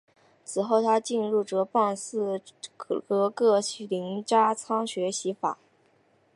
此后他进入哲蚌寺洛色林扎仓学习佛法。